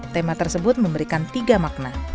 tema tersebut memberikan tiga makna